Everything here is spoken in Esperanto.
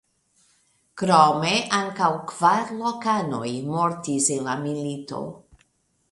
Krome ankaŭ kvar lokanoj mortis en la milito.